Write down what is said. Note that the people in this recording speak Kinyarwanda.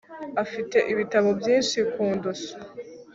afite ibitabo byinshi kundusha